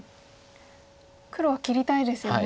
黒は切りたいですよね。